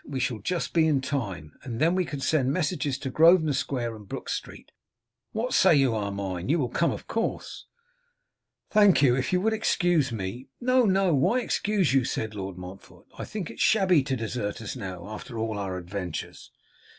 We shall just be in time, and then we can send messages to Grosvenor square and Brook street. What say you, Armine? You will come, of course?' 'Thank you, if you would excuse me.' 'No, no; why excuse you?' said Lord Montfort: 'I think it shabby to desert us now, after all our adventures.